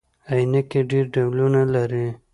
عینکي ډیر ډولونه لري